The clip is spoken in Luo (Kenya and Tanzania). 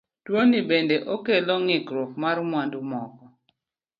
Tuoni bende okelo ng'ikruok mar mwandu moko.